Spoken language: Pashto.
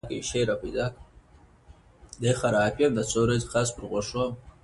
دا آيت موږ ته ښيي چې كله كله انسان